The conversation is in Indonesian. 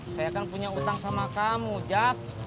saya kan punya utang sama kamu jad